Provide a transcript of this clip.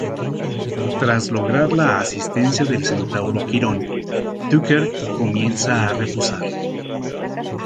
Tras lograr la asistencia del centauro Quirón, Tucker comienza a reposar.